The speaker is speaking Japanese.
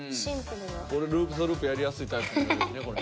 ループ・ザ・ループやりやすいタイプの。